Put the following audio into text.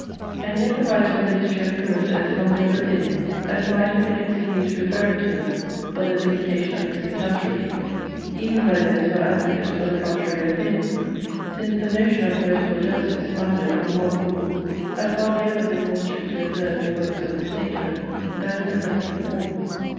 And yet the writer of the History of Clarissa is humbly of opinion, that he might have been excused referring to them for the vindication of his catastrophe, even by those who are advocates for the contrary opinion; since the notion of poetical justice, founded on the modern rules, has hardly ever been more strictly observed in works of this nature than in the present performance.